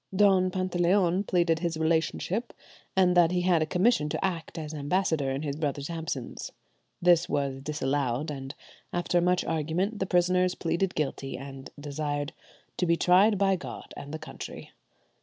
Don Pantaleon pleaded his relationship, and that he had a commission to act as ambassador in his brother's absence; this was disallowed, and after much argument the prisoners pleaded guilty, and desired "to be tried by God and the country."